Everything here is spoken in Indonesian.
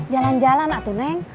jalan jalan atu neng